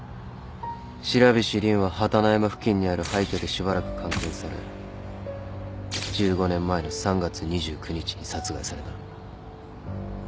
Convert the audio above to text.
白菱凜は榛野山付近にある廃虚でしばらく監禁され１５年前の３月２９日に殺害された。